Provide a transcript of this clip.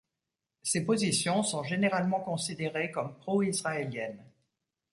Ses positions sont généralement considérées comme pro-israéliennes.